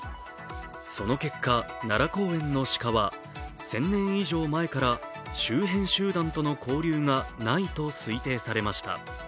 その結果、奈良公園の鹿は１０００年以上前から周辺集団との交流がないと推定されました。